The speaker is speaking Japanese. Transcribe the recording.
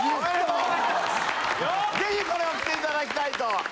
ぜひこれを着ていただきたいと。